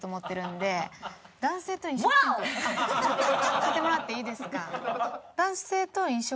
聞いてもらっていいですか？